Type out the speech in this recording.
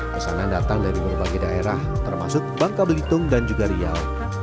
pesanan datang dari berbagai daerah termasuk bangka belitung dan juga riau